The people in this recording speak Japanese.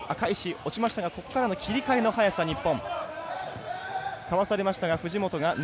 落ちましたがここからの切り替えの早さ日本。